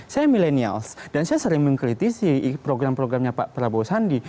saya milenials dan saya sering mengkritisi program programnya pak prabowo sandi